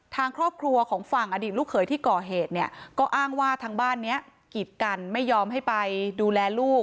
ทางครอบครัวของฝั่งอดีตลูกเขยที่ก่อเหตุเนี่ยก็อ้างว่าทางบ้านนี้กีดกันไม่ยอมให้ไปดูแลลูก